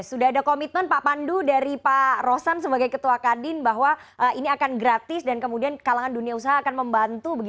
sudah ada komitmen pak pandu dari pak rosan sebagai ketua kadin bahwa ini akan gratis dan kemudian kalangan dunia usaha akan membantu